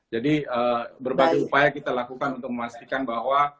jadi berbagai upaya kita lakukan untuk memastikan bahwa